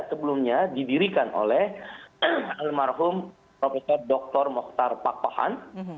sebelumnya didirikan oleh almarhum prof dr mokhtar pakpohan